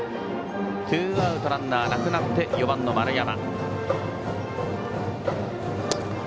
ツーアウト、ランナーなくなって４番の丸山。